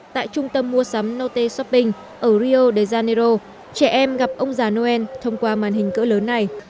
tại trung tâm mua sắm note shopping ở rio de janeiro trẻ em gặp ông già noel thông qua màn hình cỡ lớn này